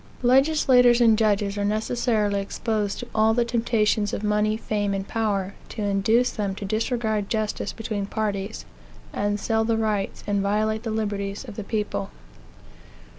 Legislators and judges are necessarily exposed to all the temptations of money, fame, and power, to induce them to disregard justice between parties, and sell the rights, and violate the liberties of the people.